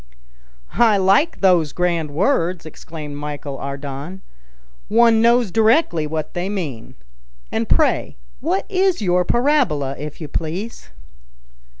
"I like those grand words," exclaimed Michel Ardan; "one knows directly what they mean. And pray what is your parabola, if you please?"